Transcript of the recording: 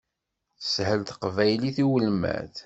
Teshel teqbaylit i ulmad.